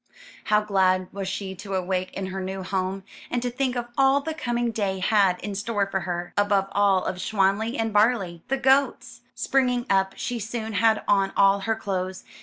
How glad was she to awake in her new home; and to think of all the coming day had in store for her, above all of Schwanli and Barlie, the goats! Springing up, she soon had on all her clothes.